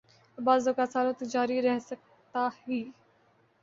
اوربعض اوقات سالوں تک جاری رہ سکتا ہی۔